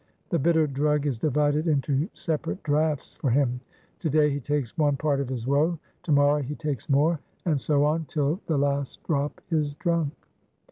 The bitter drug is divided into separate draughts for him: to day he takes one part of his woe; to morrow he takes more; and so on, till the last drop is drunk.